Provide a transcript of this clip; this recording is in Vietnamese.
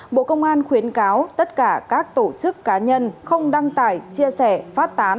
bộ công an khuyến cáo tất cả các tổ chức cá nhân không đăng tải chia sẻ phát tán